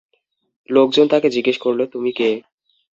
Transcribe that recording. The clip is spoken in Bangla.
লোকজন তাঁকে জিজ্ঞেস করল, তুমি কে?